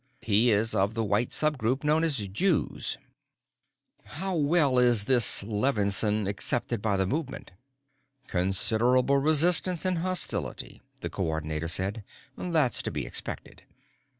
He is of the white sub group known as Jews." "How well is this Levinsohn accepted by the movement?" "Considerable resistance and hostility," the Coordinator said. "That's to be expected.